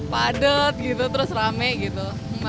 padat gitu terus rame gitu